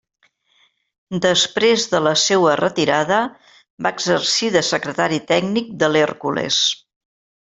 Després de la seua retirada, va exercir de secretari tècnic de l'Hèrcules.